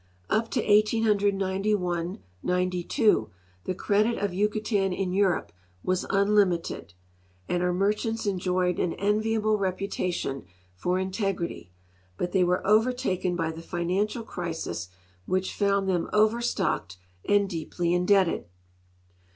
Up to 1891 92 the credit of A'ucatan in Europe was unlimited and her merchants enjoyed an enviable reputation for integrity, but they were overtaken by the financial crisis, which found them overstocked and deeply indebted.